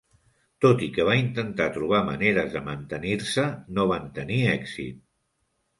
Tot i que va intentar trobar maneres de mantenir-se, no van tenir èxit.